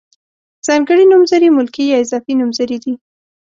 ځانګړي نومځري ملکي یا اضافي نومځري دي.